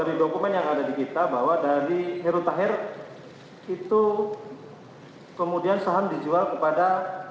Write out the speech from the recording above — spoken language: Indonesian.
dari dokumen yang ada di kita bahwa dari heru tahir itu kemudian saham dijual kepada